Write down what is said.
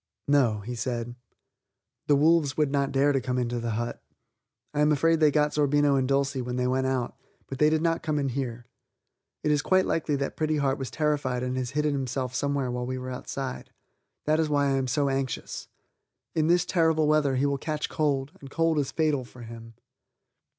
"No," he said, "the wolves would not dare come into the hut. I am afraid they got Zerbino and Dulcie when they went out, but they did not come in here. It is quite likely that Pretty Heart was terrified and has hidden himself somewhere while we were outside; that is why I am so anxious. In this terrible weather he will catch cold, and cold is fatal for him."